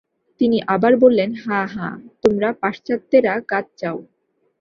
তিনি আবার বললেন হাঁ, হাঁ, তোমরা পাশ্চাত্যেরা কাজ চাও।